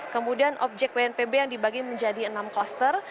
kemudian objek pnbp yang dibagi menjadi enam kluster